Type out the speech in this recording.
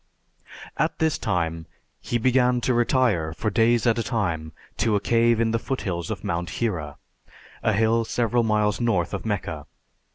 At this time, he began to retire for days at a time to a cave in the foothills of Mount Hira, a hill several miles north of Mecca.